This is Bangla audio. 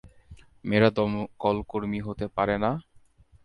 মেয়েরা দমকলকর্মী হতে পারেনা?